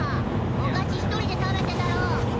お菓子１人で食べてたろ！